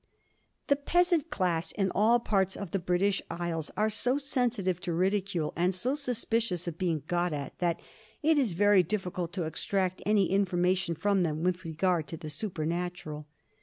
The peasant class in all parts of the British Isles are so sensitive to ridicule, and so suspicious of being "got at," that it is very difficult to extract any information from them with regard to the superphysical.